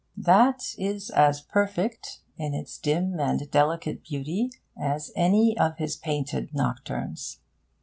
That is as perfect, in its dim and delicate beauty, as any of his painted 'nocturnes.'